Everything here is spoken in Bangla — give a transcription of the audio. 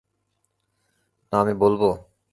না আমি বলবো?